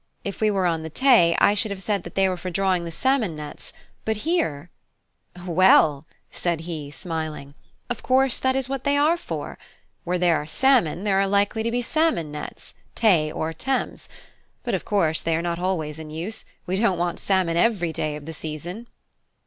If we were on the Tay, I should have said that they were for drawing the salmon nets; but here " "Well," said he, smiling, "of course that is what they are for. Where there are salmon, there are likely to be salmon nets, Tay or Thames; but of course they are not always in use; we don't want salmon every day of the season."